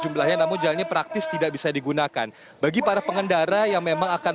jumlahnya namun jalan ini praktis tidak bisa digunakan bagi para pengendara yang memang akan